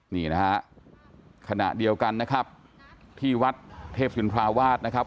นี่นะฮะขณะเดียวกันนะครับที่วัดเทพสุนทราวาสนะครับ